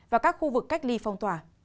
và các khu vực cách ly phong tỏa